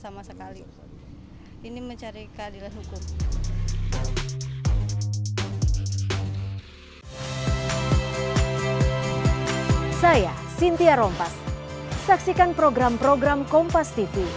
sama sekali ini mencari keadilan hukum saya sintia rompas saksikan program program kompas tv